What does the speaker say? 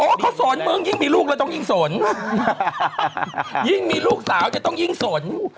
เขาสนมึงยิ่งมีลูกเราต้องยิ่งสนยิ่งมีลูกสาวจะต้องยิ่งสน